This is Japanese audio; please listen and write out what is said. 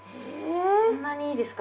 そんなにいいですか？